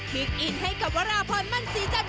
คลิกอินให้กับวาราพรมั่นสีจัด